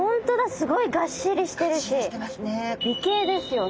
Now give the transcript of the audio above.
すごいがっしりしてるし美形ですよね？